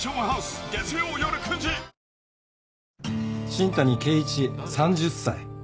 新谷啓一３０歳。